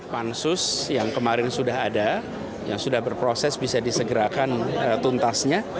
pansus yang kemarin sudah ada yang sudah berproses bisa disegerakan tuntasnya